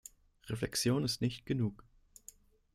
Reflexion ist nicht genug.